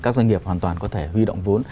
các doanh nghiệp hoàn toàn có thể huy động vốn